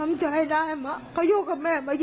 มันมีแม่ด้วยมันมีแม่ด้วย